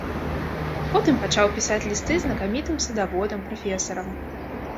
Потым пачаў пісаць лісты знакамітым садаводам, прафесарам.